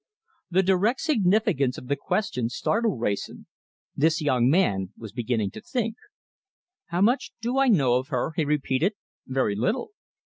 The direct significance of the question startled Wrayson. This young man was beginning to think. "How much do I know of her?" he repeated. "Very little."